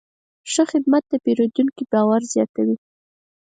ښه خدمت د پیرودونکي باور زیاتوي.